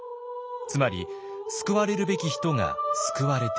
つまり救われるべき人が救われていない。